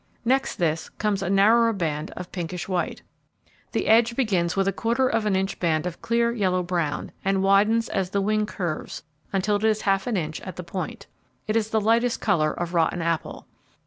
Next this comes a narrower band of pinkish white. The edge begins with a quarter of an inch band of clear yellow brown, and widens as the wing curves until it is half an inch at the point. It is the lightest colour of rotten apple.